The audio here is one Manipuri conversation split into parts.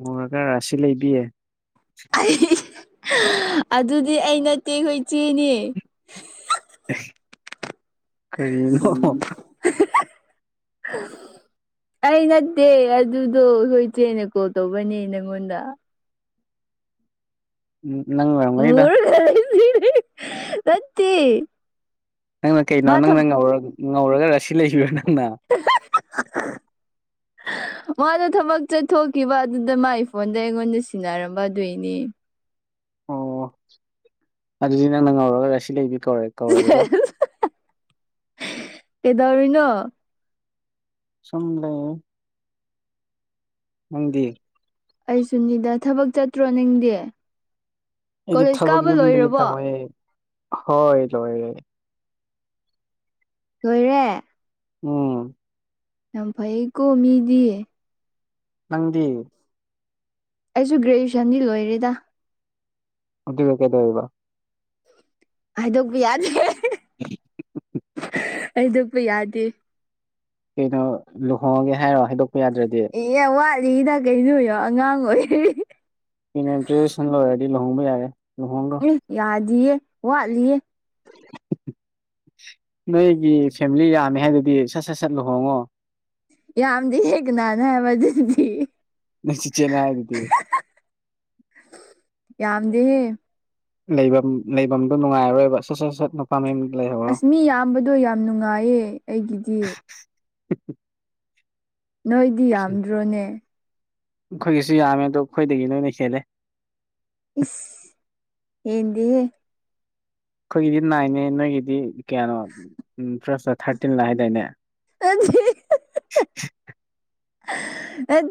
ꯃꯨꯔꯒ ꯔꯁꯤ ꯂꯩꯕꯤ꯫ ꯑꯗꯨꯗꯤ ꯑꯩ ꯅꯠꯇꯦ ꯑꯩꯈꯣꯏ ꯆꯦꯅꯤ꯫ [inaudible] ꯎꯝ꯫ ꯑꯩ ꯅꯠꯇꯦ ꯑꯗꯨꯗꯣ ꯑꯩꯈꯣꯏ ꯏꯆꯦꯅ ꯀꯣꯜ ꯇꯧꯕꯅꯦ ꯅꯪꯉꯣꯟꯗ꯫ ꯎꯝ ꯅꯪ ꯂꯥ꯫ ꯔꯒ ꯃꯠꯇꯦ ꯅꯪꯅ ꯀꯩꯅꯣ ꯅꯪꯅ ꯉꯔ ꯉꯧꯔꯒ ꯔꯁꯤ ꯂꯩꯕꯤꯔꯣ ꯅꯪꯅ [inaudible] ꯃꯥꯅ ꯊꯕꯛ ꯆꯠꯊꯣꯛꯈꯤꯕ ꯑꯗꯨꯗ ꯃꯥꯒꯤ ꯐꯣꯟꯗ ꯑꯩꯉꯣꯟꯗ ꯁꯤꯟꯅꯔꯝꯕ ꯑꯗꯨꯏꯅꯦ ꯑꯣ ꯑꯗꯨꯗꯤ ꯅꯪꯅ ꯉꯧꯔꯒ ꯉꯁꯤ ꯂꯩꯕꯤ ꯀꯧꯔꯦꯦ ꯀꯦꯗꯎꯔꯤꯅ ꯁꯝ ꯂꯩꯦ ꯃꯪꯗꯤ ꯑꯩ ꯁꯨꯅꯤꯗ ꯊꯕꯛ ꯆꯠꯇ꯭ꯔꯣ ꯅꯤꯡꯗꯤ ꯑꯩꯗꯤ ꯊꯕꯛ ꯌꯨꯝꯗꯒꯤ ꯇꯧꯋꯦ ꯍꯣꯏ ꯂꯣꯏꯔ ꯂꯣꯏꯔꯦ ꯎꯝ ꯌꯥꯝ ꯐꯩꯌꯦꯀꯣ ꯃꯤꯗꯤ ꯅꯗꯤ ꯑꯩꯁꯨ ꯒ꯭ꯔꯦꯖ꯭ꯨꯦꯁꯟꯗꯤ ꯂꯣꯏꯔꯦꯗ ꯑꯗꯨꯒ ꯀꯩꯗꯧꯔꯤꯕ ꯍꯥꯏꯗꯣꯛꯄ ꯌꯥꯗꯦ ꯑꯩꯗꯕꯨ ꯌꯥꯗꯦ ꯀꯩꯅꯣ ꯂꯨꯍꯣꯡꯉꯒꯦ ꯍꯥꯏꯔꯣ ꯍꯥꯏꯗꯣꯛꯄ ꯌꯥꯗ꯭ꯔꯗꯤ ꯏ ꯋꯥꯠꯂꯤꯗ ꯀꯩꯅꯣꯣ ꯑꯉꯥꯡ ꯑꯣꯏ ꯑꯩꯅ ꯒ꯭ꯔꯦꯖꯨꯌꯦꯁꯟ ꯂꯣꯏꯔꯗꯤ ꯂꯨꯍꯣꯡꯕ ꯌꯥꯔꯦ ꯂꯨꯍꯣꯡꯈ꯭ꯔꯣ ꯑꯦ ꯌꯥꯗꯤꯌꯦ ꯋꯥꯠꯂꯤꯌꯦ ꯅꯣꯏꯒꯤ ꯐꯦꯃꯤꯂꯤ ꯌꯥꯝꯅꯤ ꯍꯥꯏꯗꯗꯤ ꯁꯠ ꯁꯠ ꯁꯠ ꯂꯨꯍꯣꯡꯉꯣ ꯌꯥꯝꯗꯤ ꯍꯦꯛꯒꯅꯥꯅ ꯍꯥꯏꯕ ꯑꯗꯨꯗꯤ ꯅ ꯆ ꯆꯅꯥ ꯍꯥꯏꯗꯤ ꯌꯥꯝꯝꯗꯦꯍꯦ ꯂꯩꯐꯝ ꯂꯩꯐꯝꯗꯣ ꯅꯨꯡꯉꯥꯏꯔꯣꯏꯕ ꯁꯠ ꯁꯠ ꯁꯠ ꯄꯃꯤ ꯂꯩꯣ ꯑꯁꯃꯤ ꯌꯥꯝꯕꯗꯣ ꯌꯥꯝ ꯅꯨꯡꯉꯥꯏꯌꯦ ꯑꯩꯒꯤꯗꯤ [unintelligible] ꯅꯣꯏꯗꯤ ꯌꯥꯝꯗ꯭ꯔꯣꯅꯦ ꯑꯩꯈꯣꯏꯒꯤꯁꯨ ꯌꯥꯝꯃꯦ ꯑꯗꯣ ꯑꯩꯈꯣꯏꯗꯒꯤ ꯅꯣꯏꯅ ꯍꯦꯜꯂꯦ ꯏ ꯍꯗꯤ ꯑꯩꯈꯣꯏꯒꯤꯗꯤ ꯅꯥꯏꯅꯦ ꯅꯣꯏꯒꯤꯗꯤ ꯀꯌꯥꯅꯣ ꯐ꯭ꯂꯁꯇ ꯊꯥꯔꯇꯤꯟꯂ ꯍꯥꯏꯗꯥꯏꯅꯦ ꯑꯗꯨꯗꯗꯤ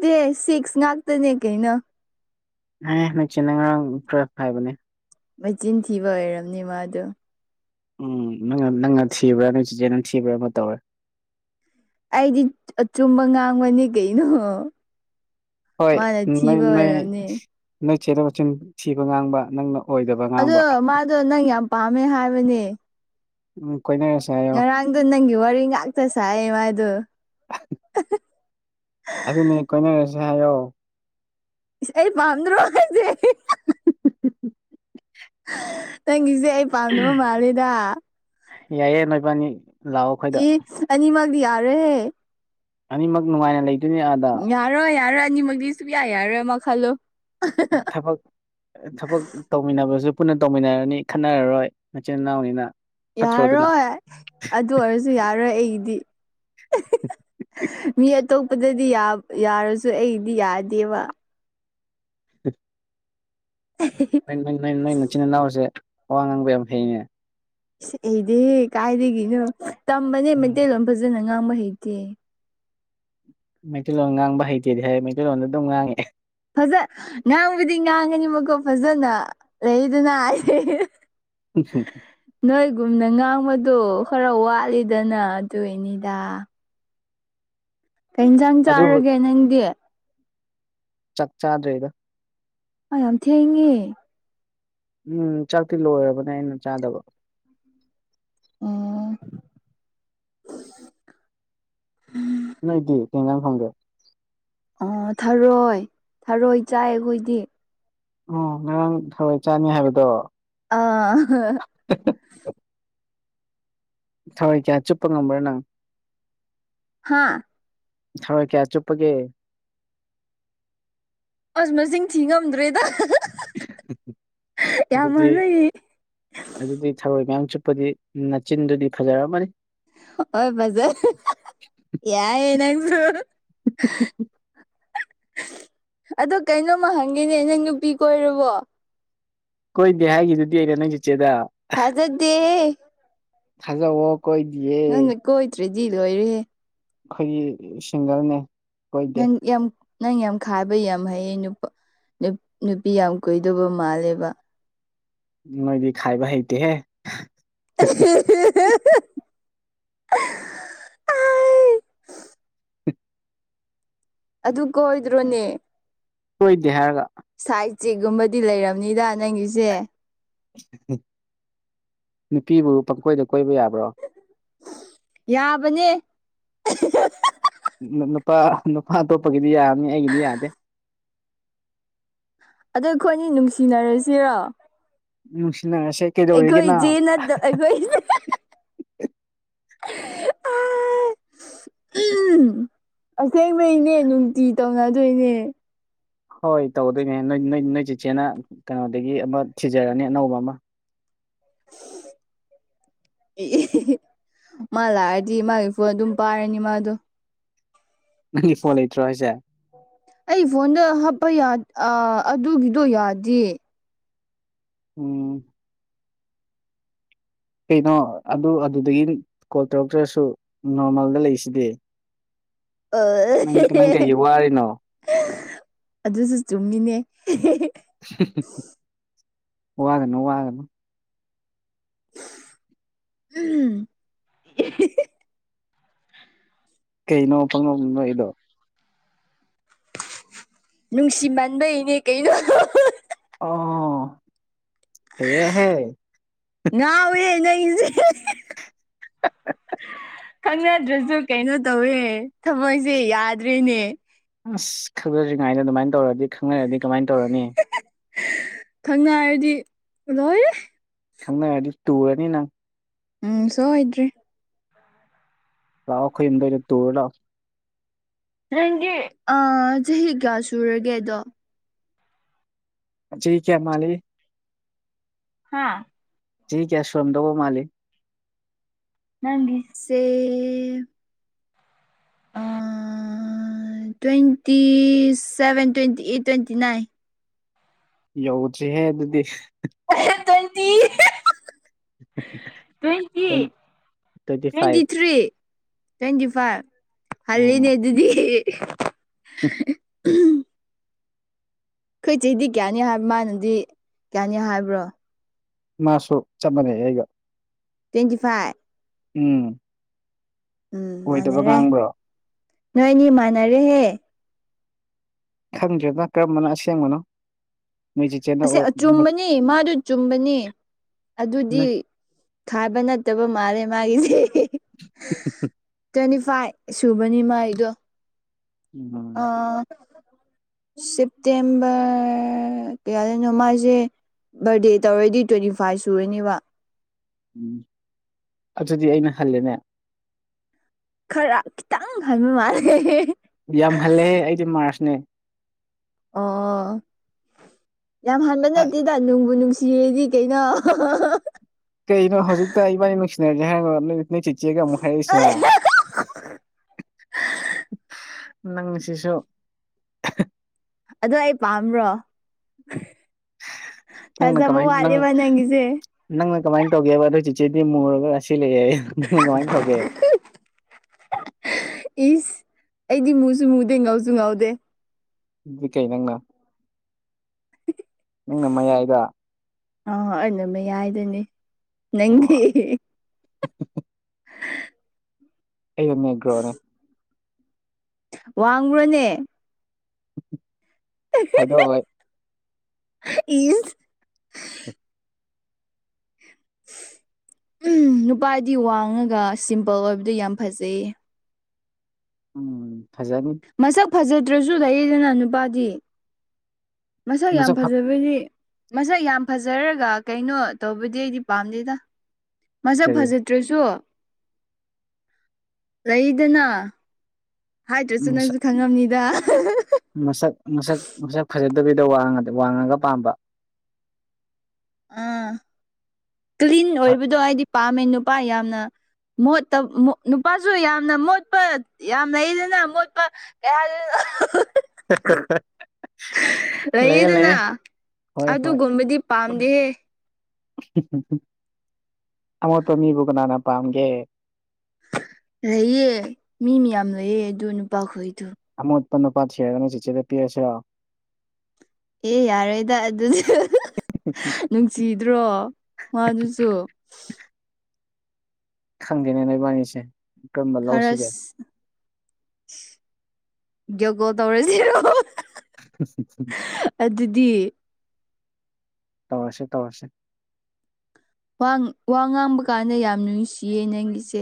ꯗꯤ ꯁꯤꯛꯁ ꯉꯥꯛꯇꯅꯦ ꯀꯩꯅ ꯑꯦ ꯅꯨꯡꯆꯤꯅ ꯉꯔꯥꯡ ꯇꯨꯞ ꯍꯥꯏꯕꯅꯦ [unintelligible] ꯃꯆꯤꯟ ꯊꯤꯕ ꯑꯣꯏꯔꯝꯅꯤ ꯃꯥꯗꯣ ꯎꯝ ꯅꯪ ꯅꯪꯅ ꯊꯤꯕ꯭ꯔꯥ ꯅꯨꯡꯆꯤꯖꯦ ꯅꯪ ꯊꯤꯕ꯭ꯔꯥ ꯑꯃ ꯇꯧꯔꯦ ꯑꯩꯗꯤ ꯑꯆꯨꯝꯕ ꯉꯥꯡꯕꯅꯤ ꯀꯩꯅꯣ ꯍꯣꯏ ꯃꯥꯅ ꯅꯣꯏ ꯊꯤꯕ ꯅꯣꯏ ꯑꯣꯏꯔꯝꯅꯤ ꯅꯣꯏ ꯆꯦꯗ ꯃꯆꯤꯟ ꯊꯤꯕ ꯉꯥꯡꯕ ꯅꯪꯅ ꯑꯣꯏꯗꯕ ꯑꯗꯣ ꯉꯥꯡꯕ ꯃꯥꯗꯣ ꯅꯪ ꯌꯥꯝ ꯄꯥꯝꯃꯦ ꯍꯥꯏꯕꯅꯦ ꯎꯝ ꯀꯣꯏꯅꯔꯁꯦ ꯍꯥꯏꯌꯣ ꯅꯪꯗꯣ ꯅꯪꯒꯤ ꯋꯥꯔꯤ ꯉꯥꯛꯇ ꯁꯥꯏ ꯃꯥꯗꯣ ꯑꯗꯨꯅꯦ ꯀꯣꯏꯅꯔꯁꯤ ꯍꯥꯏꯌꯣ ꯑꯩ ꯄꯥꯝꯗ꯭ꯔꯣ ꯈꯩꯁꯦ ꯅꯪꯒꯤꯁꯦ ꯑꯩ ꯄꯥꯝꯅꯕ ꯃꯥꯜꯂꯦꯗ ꯌꯥꯏꯌꯦꯦ ꯃꯩꯕꯥꯅꯤ ꯏꯅꯤꯃꯒꯗꯤ ꯌꯥꯔꯦꯦ ꯑꯅꯤꯃꯛ ꯅꯨꯡꯉꯥꯏꯅ ꯂꯩꯗꯣꯏꯅꯦ ꯑꯥꯗ ꯌꯥꯔꯣꯏ ꯌꯥꯔꯣꯏ ꯑꯅꯤꯃꯛꯗꯤꯁꯨ ꯌꯥꯏ ꯌꯥꯔꯣꯏ ꯃꯈ ꯈꯜꯂꯣ ꯊꯕꯛ ꯊꯕꯛ ꯇꯧꯃꯤꯟꯅꯕꯁꯨ ꯄꯨꯟꯅ ꯇꯧꯃꯤꯟꯅꯔꯅꯤ ꯈꯠꯟꯅꯔꯔꯣꯏ ꯃꯆꯤꯟ ꯏꯅꯥꯎꯅꯤꯅ ꯐꯠꯇ꯭ꯔꯣ ꯑꯗꯨꯅ ꯌꯥꯔꯣꯏ ꯑꯗꯨ ꯑꯣꯏꯔꯁꯨ ꯌꯥꯔꯣꯏ ꯑꯩꯗꯤ ꯃꯤ ꯑꯇꯣꯞꯄꯗꯗꯤ ꯌꯥꯔꯁꯨ ꯑꯩꯗꯤ ꯌꯥꯗꯦꯕ ꯑ ꯅꯣꯏ ꯅꯣꯏ ꯅꯣꯏ ꯅꯣꯏ ꯏꯆꯤꯟ ꯏꯅꯥꯎꯁꯦ ꯑꯋꯥ ꯉꯥꯡꯕ ꯌꯥꯝ ꯍꯩꯉꯦ ꯏꯁ ꯑꯩꯗꯤ ꯀꯥꯏꯗꯒꯤꯅꯣ ꯇꯝꯕꯅꯦ ꯎꯝ ꯃꯩꯇꯩꯂꯣꯟꯣꯟ ꯐꯖꯅ ꯉꯥꯡꯕ ꯍꯩꯇꯦ ꯃꯩꯇꯩꯂꯣꯟ ꯉꯥꯡꯕ ꯍꯩꯇꯦꯗꯤ ꯍꯥꯏ ꯃꯩꯇꯩꯂꯣꯟꯗ ꯑꯗꯨꯝ ꯉꯥꯡꯉꯦ ꯐꯖ ꯉꯥꯡꯕꯨꯗꯤ ꯉꯥꯡꯉꯅꯤꯕꯀꯣ ꯐꯖꯅ ꯂꯩꯗꯅ ꯑꯩ ꯎꯆꯥ ꯅꯣꯏꯒꯨꯝꯅ ꯉꯥꯡꯕꯗꯣ ꯈꯔ ꯋꯥꯠꯂꯤꯗꯅ ꯑꯗꯨ ꯏꯅꯤꯗ ꯀ ꯌꯦꯟꯁꯥꯡ ꯑꯗꯨꯕꯨ ꯆꯥꯔꯒꯦ ꯅꯪꯗꯤ ꯆꯠ ꯆꯥꯗ꯭ꯔꯔꯤ ꯏꯗ ꯑ ꯌꯥꯝ ꯊꯦꯡꯉꯦ ꯎꯝ ꯆꯥꯛꯇꯤ ꯂꯣꯏꯔꯕꯅꯦ ꯑꯩꯅ ꯆꯥꯗꯕ ꯎꯝ ꯅꯣꯏꯗꯤ ꯊꯦꯡꯉꯡꯂꯅ ꯈꯪꯒꯦ ꯊꯔꯣꯏ ꯊꯔꯣꯏ ꯆꯥꯏ ꯑꯩꯈꯣꯏꯗꯤ ꯎꯝ ꯉꯔꯥꯡ ꯊꯋꯥꯏ ꯆꯥꯅꯤ ꯍꯥꯏꯕꯗꯣ ꯑ ꯊꯋꯥꯏ ꯀꯌꯥ ꯆꯨꯞꯄ ꯉꯝꯕ꯭ꯔꯥ ꯅꯪ ꯍꯥꯥ ꯍꯣꯏ ꯀꯌꯥ ꯆꯨꯞꯄꯒꯤꯦ ꯑꯁ ꯃꯁꯤꯡ ꯊꯤ ꯉꯝꯗ꯭ꯔꯦꯗ ꯌꯥꯝ ꯑꯗꯨꯗꯤ ꯃꯥꯟꯅꯩꯌꯦ ꯑꯗꯨꯗꯤ ꯊꯔꯣꯏ ꯃꯌꯥꯝ ꯆꯨꯞꯄꯗꯤ ꯃꯆꯤꯟꯗꯨꯗꯤ ꯐꯖꯔꯝꯃꯅꯤ ꯍꯣꯏ ꯃꯖꯔ ꯌꯥꯏ ꯅꯪꯁꯨ ꯑꯗꯣ ꯀꯩꯅꯣꯝꯃ ꯍꯪꯒꯦꯅꯦ ꯅꯪ ꯅꯨꯄꯤ ꯀ ꯑꯣꯏꯔꯕꯣ ꯀꯣꯏꯗꯦ ꯍꯥꯏꯈꯤꯗꯨꯗꯤ ꯑꯩꯅ ꯅꯪ ꯆꯤꯠꯆꯦꯗ ꯊꯥꯖꯗꯤꯦꯦ ꯊꯖ ꯋꯥ ꯀꯣꯏꯗꯌꯦ ꯀꯣꯏꯗ꯭ꯔꯦꯗꯤꯖꯤ ꯂꯣꯏꯔꯦ ꯑꯩꯈꯣꯏꯒꯤ ꯁꯤꯡꯒꯔꯅꯦ ꯅ ꯌꯥꯝ ꯅꯪ ꯌꯥꯝ ꯈꯥꯕ ꯌꯥꯝ ꯍꯩꯌꯦ ꯅꯨꯄꯥ ꯅꯨꯄꯤ ꯌꯥꯝ ꯀꯨꯏꯗꯧꯕ ꯃꯥꯜꯂꯦꯕ ꯅꯣꯏꯗꯤ ꯈꯥꯏꯕ ꯍꯩꯇꯦꯍꯦ ꯍ ꯍ ꯑꯗꯨ ꯀꯣꯏꯗ꯭ꯔꯣꯅꯦ ꯁꯣꯏꯗꯦ ꯍꯥꯏꯔꯒ ꯁꯥꯏꯠ ꯆꯦꯛꯒꯨꯝꯕꯗꯤ ꯂꯩꯔꯕꯅꯤꯗ ꯅꯪꯒꯤꯁꯦ ꯅꯨꯄꯤꯕꯨ ꯄꯪꯈꯣꯏꯗ ꯀꯣꯏꯕ ꯌꯥꯕ꯭ꯔꯣ ꯌꯥꯕꯅꯦ ꯅꯨꯄꯥ ꯅꯨꯄꯥ ꯑꯇꯣꯞꯄꯒꯤꯗꯤ ꯌꯥꯔꯅꯤ ꯑꯩꯒꯤꯗꯤ ꯌꯥꯗꯦ ꯑꯗ ꯑꯩꯈꯣꯏꯅꯤ ꯅꯨꯡꯁꯤꯅꯔꯁꯤꯔꯣ ꯎꯁꯤꯅꯁꯦ ꯑꯩꯈꯣꯏꯗꯤꯦ ꯅꯠꯇ ꯑꯩꯈꯣꯏ ꯑ ꯎꯝ ꯑꯁꯦꯡꯕꯩꯅꯦ ꯅꯨꯡꯇꯤ ꯇꯧꯅꯗꯣꯏꯅꯦ ꯍꯣꯏ ꯇꯧꯗꯣꯏꯅꯦ ꯅꯣꯏ ꯅꯣꯏ ꯅꯣꯏ ꯆꯤꯆꯦꯅ ꯀꯩꯅꯣꯗꯒꯤ ꯑꯃ ꯊꯤꯖꯔꯅꯤ ꯑꯅꯧꯕ ꯑꯃ [inaudible] ꯃꯥ ꯂꯥꯛꯑꯗꯤ ꯃꯥꯒꯤ ꯐꯣꯟ ꯑꯗꯨꯝ ꯄꯥꯔꯅꯤ ꯃꯥꯗꯣ ꯐꯣꯟ ꯂꯩꯇ꯭ꯔꯣꯁꯦ ꯑꯩ ꯐꯣꯟꯗ ꯍꯥꯞꯄ ꯑꯗꯨꯒꯤꯗꯣ ꯌꯥꯗꯦ ꯎꯝ ꯀꯩꯅꯣ ꯑꯗꯨ ꯑꯗꯨꯗꯒꯤ ꯀꯣꯜ ꯇꯧꯔꯛꯇ꯭ꯔꯁꯨ ꯅꯣꯔꯃꯦꯜꯗ ꯂꯩꯁꯤꯗꯤ ꯅꯪ ꯑꯍꯤꯍꯤ ꯅꯪ ꯀꯩꯒꯤ ꯋꯥꯔꯤꯅꯣ ꯑꯗꯨꯁꯨ ꯆꯨꯝꯃꯤꯅꯦ ꯋꯥꯒꯅꯣ ꯋꯥꯒꯅꯣ ꯎꯝ ꯀꯩꯅꯣ ꯐꯪꯅꯣ ꯅꯣ ꯏꯗꯣ ꯅꯨꯡꯁꯤ ꯃꯟꯕꯩꯅꯦ ꯀꯩꯅꯣ ꯑ ꯍꯦ ꯍꯦ ꯉꯥꯎꯋꯦ ꯅꯪꯁꯦ ꯈꯪꯅꯗ꯭ꯔꯁꯨ ꯀꯩꯅꯣ ꯇꯧꯋꯦ ꯊꯃꯣꯏꯁꯦ ꯌꯥꯗ꯭ꯔꯦꯅꯦ ꯑꯁ ꯈꯪꯅꯗ꯭ꯔꯤꯉꯩꯗ ꯑꯗꯨꯃꯥꯏꯅ ꯇꯧꯔꯗꯤ ꯈꯪꯅꯔꯗꯤ ꯀꯃꯥꯏꯅ ꯇꯧꯔꯅꯤ ꯈꯪꯅꯔꯗꯤ ꯂꯣꯏꯔꯦ ꯈꯪꯅꯔꯗꯤ ꯇꯨꯔꯅꯤ ꯅꯪ ꯎꯝ ꯁꯣꯏꯗ꯭ꯔꯦ ꯂꯥꯎ ꯑꯩꯈꯣꯏ ꯌꯨꯝꯗ ꯇꯨꯔꯂꯥꯛꯑꯣ ꯅꯪꯒꯤ ꯑ ꯆꯍꯤ ꯀꯌꯥ ꯁꯨꯔꯒꯦꯗꯣ ꯆꯥꯍꯤ ꯀꯌꯥ ꯃꯥꯂꯤ ꯍꯥꯥ ꯆꯍꯤ ꯀꯌꯥ ꯁ꯭ꯨꯔꯝꯗꯧꯕ ꯃꯥꯂꯤ ꯅꯪꯁꯦ twenty seven twenty eight twenty nine ꯌꯧꯗ꯭ꯔꯤꯍꯦ ꯑꯗꯨꯗꯤ twenty twenty twenty three twenty five ꯎꯝ ꯍꯜꯂꯤꯅꯦ ꯑꯗꯨꯗꯤ ꯑꯩꯈꯣꯏꯆꯦꯗꯤ ꯀꯌꯥꯅꯤ ꯍꯥꯏꯕ ꯃꯥꯅꯗꯤ ꯀꯌꯥꯅꯤ ꯍꯥꯏꯕ꯭ꯔꯣ ꯃꯥꯁꯨ ꯆꯞ ꯃꯥꯟꯅꯩ ꯑꯩꯒ ꯇ꯭ꯋꯦꯟꯇꯤ ꯐꯥꯏꯚ ꯎꯝ ꯎꯝ ꯑꯣꯏꯗꯕ ꯃꯥꯟꯅꯔꯦ ꯉꯥꯡꯕ꯭ꯔꯣ ꯅꯣꯏꯅꯤ ꯃꯥꯟꯅꯔꯦꯍꯦ ꯈꯪꯗ꯭ꯔꯦꯗꯅ ꯀꯔꯝꯕꯅ ꯑꯁꯦꯡꯕꯅꯣ ꯅꯣꯏ ꯆꯤꯆꯦꯅ ꯑꯁꯦ ꯑꯣꯏ ꯑꯆꯨꯝꯕꯅꯤ ꯃꯥꯗꯨ ꯆꯨꯝꯕꯅꯤ ꯑꯗꯨꯗꯤ ꯅꯣꯏ ꯈꯥꯕ ꯅꯠꯇꯕ ꯃꯥꯜꯂꯦ ꯃꯥꯒꯤꯁꯦ [unintelligible] ꯇ꯭ꯋꯦꯟꯇꯤ ꯐꯥꯏꯚ ꯁꯨꯕꯅꯤ ꯃꯥ ꯑꯩꯗꯣ ꯎꯝ ꯑꯥ ꯁꯦꯞꯇꯦꯝꯕꯔ ꯀꯌꯥꯗꯅꯣ ꯃꯥꯏꯁꯦ ꯕꯔꯗꯦ ꯇꯧꯔꯗꯤ ꯇ꯭ꯋꯦꯟꯇꯤ ꯐꯥꯏꯚ ꯁꯨꯔꯅꯦꯕ ꯎꯝ ꯑꯗꯨꯗꯤ ꯑꯩꯅ ꯍꯜꯂꯦꯅꯦ ꯈꯔ ꯈꯤꯇꯪ ꯍꯟꯕ ꯃꯥꯜꯂꯦ ꯌꯥꯝ ꯍꯜꯂꯦꯍꯦ ꯑꯩꯗꯤ ꯃꯥꯔꯁꯅꯦ ꯑꯣ ꯌꯥꯝ ꯍꯥꯟꯕ ꯑ ꯅꯠꯇꯦꯗ ꯅꯨꯡꯕꯨ ꯅꯨꯡꯁꯤ ꯁꯤꯔꯦꯗꯤ ꯀꯩꯅꯣ ꯀꯩꯅꯣ ꯍꯧꯖꯤꯛꯇ ꯏꯕꯥꯅꯤ ꯅꯨꯡꯁꯤꯅꯔꯒꯦ ꯍꯥꯏꯔꯅꯣꯠ ꯅꯣꯏ ꯅꯣꯏ ꯆꯤꯆꯦꯒ ꯍꯥꯏꯔꯛꯏꯁꯤꯅ ꯅꯪꯁꯤꯁꯨ ꯑꯣ ꯑꯩ ꯄꯥꯝꯕ꯭ꯔꯣ ꯅꯪꯅ ꯊꯥꯖꯕ ꯀꯃꯥꯏꯅ ꯅꯪ ꯋꯥꯠꯂꯤꯕ ꯅꯪꯒꯤꯁꯦ ꯅꯪꯅ ꯀꯃꯥꯏꯅ ꯇꯧꯒꯦꯕ ꯑꯗꯨ ꯆꯤꯆꯦꯗꯤ ꯃꯨꯔꯒ ꯑꯁꯤ ꯂꯩ ꯍꯥꯏꯌꯦ [unintelligible] ꯏꯁ ꯑꯩꯗꯤ ꯃꯨꯁꯨ ꯃꯨꯗꯦ ꯉꯥꯎꯁꯨ ꯉꯥꯎꯗꯦ ꯏ ꯀꯩ ꯅꯪꯅ ꯅꯪꯅ ꯃꯌꯥꯏꯗ ꯑ ꯑꯗꯨꯝꯕ ꯌꯥꯏꯗꯨꯅꯤ ꯅꯪꯗꯤ ꯑꯣ ꯑꯩ ꯑꯗꯨ ꯑꯣꯏꯅꯦꯌꯥꯒ꯭ꯔꯣꯅꯦ ꯋꯥꯡ꯭ꯔꯣꯅꯦ ꯍꯥꯏꯗꯣꯣꯏ ꯏꯠ ꯎ ꯎꯝ ꯅꯨꯄꯥꯗꯤ ꯋꯥꯡꯉꯒ ꯁꯤꯝꯄꯜ ꯑꯣꯏꯕꯗꯤ ꯌꯥꯝ ꯐꯖꯩ ꯎꯝ ꯐꯖꯥꯕꯤ ꯃꯁꯛ ꯐꯖꯗ꯭ꯔꯁꯨ ꯂꯩꯌꯦꯗꯅ ꯅꯨꯄꯥꯗꯤ ꯃꯁꯛ ꯌꯥꯝ ꯐꯖꯕꯗꯤ ꯃꯁꯛ ꯌꯥꯝ ꯐꯖꯔꯒ ꯀꯩꯅꯣ ꯇꯧꯕꯗꯤ ꯑꯩꯗꯤ ꯄꯥꯝꯗꯦꯗ ꯃꯁꯛ ꯀꯔꯤ ꯐꯖ ꯇ꯭ꯔꯤꯁꯨꯣ ꯂꯩꯗꯅ ꯍꯥꯏꯗ꯭ꯔꯁꯨ ꯅꯪꯁꯨ ꯃꯁꯛ ꯈꯪꯉꯝꯅꯤꯗ ꯃꯁꯛ ꯃꯁꯛ ꯃꯁꯛ ꯐꯖꯗꯕꯤꯗꯣ ꯋꯥꯡꯉ ꯋꯥꯡꯉꯒ ꯄꯥꯝꯕ ꯑꯥ ꯀ꯭ꯂꯤꯟ ꯑꯣꯏꯕꯗꯣ ꯑꯩꯗꯤ ꯄꯥꯝꯃꯦ ꯅꯨꯄꯥ ꯌꯥꯝꯅ ꯣ ꯅꯨꯄꯥꯁꯨ ꯌꯥꯝꯅ ꯃꯣꯠꯄ ꯌꯥꯝ ꯂꯩꯗꯅ ꯃꯣꯠꯄ ꯀꯩꯍꯜ [unintelligible] ꯂꯩꯌꯦ ꯂꯩꯌꯦꯗꯅ ꯂꯩꯌꯦ ꯍꯣꯏ ꯍꯣꯏ ꯑꯗꯨꯒꯨꯝꯕꯗꯤ ꯄꯥꯝꯗꯦꯍꯦ ꯑꯃꯣꯠꯄ ꯃꯤꯕꯨ ꯀꯅꯥꯅ ꯄꯥꯝꯒꯦ ꯂꯩꯌꯦ ꯃꯤ ꯃꯌꯥꯝ ꯂꯩꯑ ꯑꯗꯨ ꯅꯨꯄꯥꯈꯣꯏꯗꯣ ꯑꯃ ꯎꯠꯄꯟ ꯅꯨꯄꯥꯠ ꯁꯦꯔꯒꯅ ꯆꯤꯆꯦꯗ ꯄꯤꯔꯁꯤꯣ ꯑꯦ ꯌꯥꯔꯣꯏꯗ ꯑꯗꯨꯗꯤ ꯅꯨꯡꯁꯤꯗ꯭ꯔꯣ ꯉꯗꯨꯁꯨ ꯈꯪꯗꯦꯕꯅꯤꯁꯦ ꯈꯔ ꯌꯣꯒꯣ ꯇꯧꯔꯁꯤꯔꯣ ꯑ ꯑꯗꯨꯗꯤ ꯇꯧꯣꯁꯦ ꯇꯧꯣꯁꯦ ꯋꯥ ꯋꯥ ꯉꯥꯡꯕ ꯀꯥꯟꯗ ꯌꯥꯝ ꯅꯨꯡꯁꯤꯌꯦ ꯅꯪꯒꯤꯁꯦ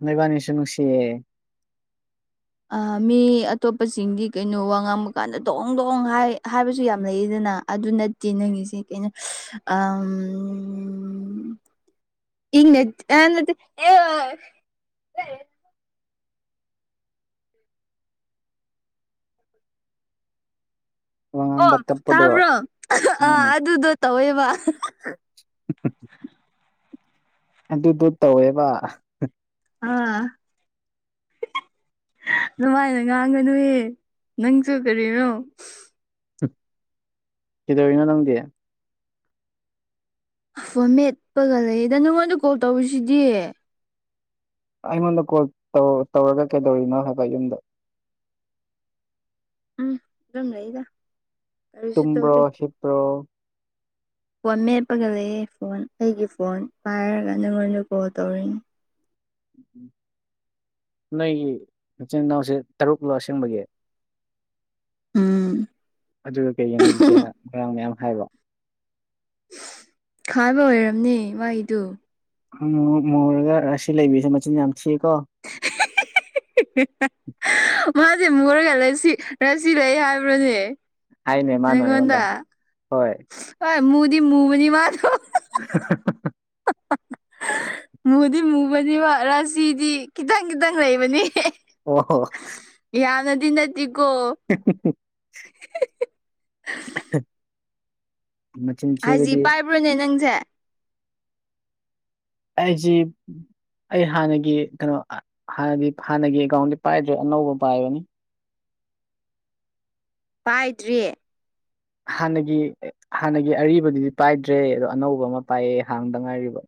ꯅꯣꯏꯕꯅꯤꯁꯨꯅꯅꯨꯡꯁꯤꯌꯦꯦ ꯃꯤ ꯑꯇꯣꯞꯄꯁꯤꯡꯗꯤ ꯀꯩꯅꯣ ꯋꯥ ꯉꯥꯡꯕ ꯀꯥꯟꯗ ꯗꯣꯡ ꯗꯣꯡ ꯍꯥꯏꯕꯁꯨ ꯌꯥꯝ ꯂꯩꯌꯦꯗꯅ ꯑꯗꯨ ꯅꯠꯇꯦ ꯅꯪꯉꯤꯁꯦ ꯀꯩꯅꯣ ꯎ ꯏ ꯅ ꯑꯠꯇ ꯋꯥ ꯑꯣ ꯉꯥꯡꯕ ꯇꯞꯄꯗꯣ ꯇꯥꯕ꯭ꯔꯣ ꯑ ꯑꯗꯨꯗꯣ ꯇꯧꯋꯦꯕ ꯎ ꯑꯗꯨꯗꯣ ꯇꯧꯋꯦꯕ ꯑꯥ ꯑꯗꯨꯃꯥꯏꯅ ꯉꯥꯡꯒꯅꯨꯑ ꯅꯪꯁꯨ ꯀꯔꯤꯅꯣ ꯀꯗꯣꯔꯤꯅꯣ ꯅꯪꯗꯤ ꯑꯐ ꯃꯦꯠꯄꯒ ꯂꯩꯌꯦꯗ ꯅꯉꯣꯟꯗ ꯀꯣꯜ ꯇꯧꯔꯤꯁꯤꯗꯤ ꯑꯩꯉꯣꯟꯗ ꯀꯣꯜ ꯇꯧꯔꯒ ꯀꯩꯗꯧꯔꯤꯅꯣ ꯍꯥꯏꯕ ꯌꯨꯝꯗ ꯎꯝ ꯏꯝꯃꯦ ꯏꯗ ꯇꯨꯝꯨꯝ꯭ꯔꯣ ꯁꯤꯕ꯭ꯔꯣ ꯐꯣꯟ ꯃꯦꯞꯄꯒ ꯂꯩꯌꯦ ꯐꯣꯟ ꯑꯩꯒꯤ ꯐꯣꯟ ꯄꯥꯏꯔꯒ ꯅꯉꯣꯟꯗ ꯀꯣꯜ ꯇꯧꯔꯤꯅꯤ ꯎ ꯅꯣꯏꯒꯤ ꯏꯆꯤꯟ ꯏꯅꯥꯎꯁꯦ ꯇꯔꯨꯛꯂꯣ ꯑꯁꯦꯡꯕꯒꯤ ꯎꯝ ꯑꯗꯨꯒ ꯀꯩꯒꯤꯅꯣ ꯏꯖꯤꯆꯦꯅ ꯉꯣꯏꯔꯥꯡ ꯃꯌꯥꯝ ꯍꯥꯏꯕꯣ ꯈꯥꯕ ꯑꯣꯏꯔꯝꯅꯦ ꯋꯥꯍꯗꯨ ꯎꯝ ꯃꯔꯒ ꯔꯥꯁꯤ ꯂꯩꯕꯤꯁꯦ ꯃꯆꯤꯟ ꯌꯥꯝ ꯊꯤꯑꯀꯣ ꯃꯥꯁꯦ ꯃꯨꯔꯒꯁꯤ ꯔꯁꯤ ꯂꯩ ꯍꯥꯏꯕ꯭ꯔꯣꯅꯦ ꯍꯥꯏꯅꯦ ꯃꯥꯅ ꯔꯒꯟꯗ ꯑꯩꯉꯣꯟꯗ ꯍꯣꯏ ꯍ ꯃꯨꯗꯤ ꯃꯃ ꯃꯥ ꯊ [inaudible] ꯃꯨꯗꯤ ꯃꯨꯕꯅꯦꯕ ꯔꯥꯁꯤꯗꯤ ꯈꯤꯇꯪ ꯈꯤꯇꯪ ꯂꯩꯕꯅꯤ ꯑꯣ ꯍꯣ ꯌꯥꯅꯗꯤ ꯅ ꯇꯤꯒꯣ [inaudible] ꯃꯆꯤꯟ ꯍꯥꯏꯖꯤ ꯊꯤꯕꯗꯤ ꯄꯥꯏꯕ꯭ꯔꯣꯅꯦ ꯅꯪꯁꯦ ꯑꯩꯖꯤ ꯑꯩ ꯍꯥꯟꯅꯒꯤ ꯀꯩꯅꯣ ꯍꯥꯟꯅꯗꯤ ꯍꯥꯟꯅꯒꯤ ꯑꯦꯀꯥꯎꯟꯗꯤꯤ ꯄꯥꯏꯗ꯭ꯔꯦ ꯑꯅꯧꯕ ꯄꯥꯏꯕꯅꯤ ꯄꯥꯏꯗ꯭ꯔꯤ ꯍꯥꯟꯅꯒꯤ ꯍꯥꯟꯅꯒꯤ ꯑꯔꯤꯕꯗꯨꯗꯤ ꯄꯥꯏꯗ꯭ꯔꯦ ꯑꯗꯣ ꯑꯅꯧꯕ ꯑꯃ ꯄꯥꯏꯌꯦꯦ ꯍꯥꯡꯗ ꯉꯥꯏꯔꯤꯕ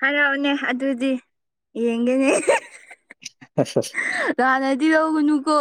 ꯍꯔꯥꯎꯅꯦ ꯑꯗꯨꯗꯤ ꯌꯦꯡꯒꯅꯤ ꯑ ꯍꯥꯟꯅꯗꯤ ꯂꯧꯒꯨꯅꯨ ꯀꯣ